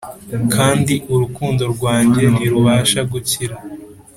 Kandi urukundo rwanjye ntirubasha gukira